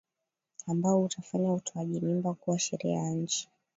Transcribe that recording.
ambao utafanya utoaji mimba kuwa sheria ya nchi